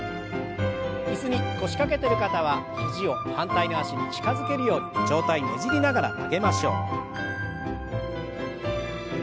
椅子に腰掛けてる方は肘を反対の脚に近づけるように上体ねじりながら曲げましょう。